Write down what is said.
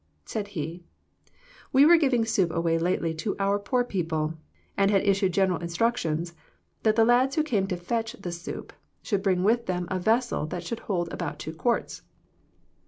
Said he, "We were giving soup away lately to our poor people, and had issued general instructions that the lads who came to fetch the soup should bring with them a vessel that should hold about two quarts.